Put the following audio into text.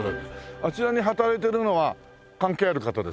あちらに働いてるのは関係ある方ですか？